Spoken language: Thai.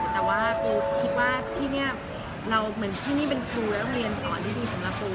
แต่ว่ากูคิดว่าที่นี่เป็นครูแล้วต้องเรียนสอนที่ดีสำหรับครู